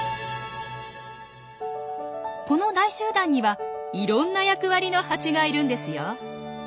この大集団にはいろんな役割のハチがいるんですよ。